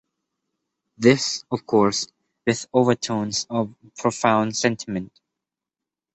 This, of course, with overtones of profound sentiment.